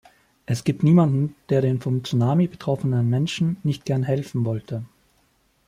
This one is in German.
Es gibt niemanden, der den vom Tsunami betroffenen Menschen nicht gern helfen wollte.